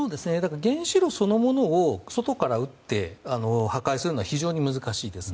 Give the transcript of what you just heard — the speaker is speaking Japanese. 原子炉そのものを外から撃って破壊するのは非常に難しいです。